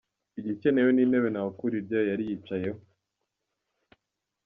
Igikenewe ni intebe Ntawukuriryayo yari yicayeho.